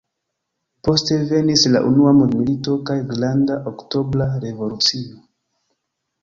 Poste venis la unua mondmilito kaj Granda Oktobra Revolucio.